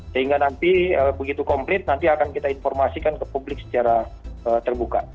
sehingga nanti begitu komplit nanti akan kita informasikan ke publik secara terbuka